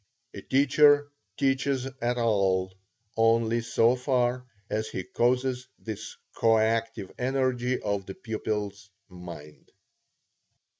A teacher teaches at all, only so far as he causes this coactive energy of the pupil's mind.